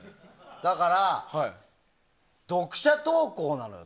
だから、読者投稿なのよ。